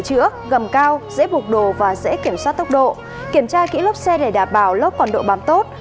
chữa gầm cao dễ buộc đồ và dễ kiểm soát tốc độ kiểm tra kỹ lốp xe để đảm bảo lốp còn độ bám tốt